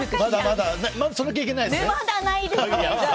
まだないですね。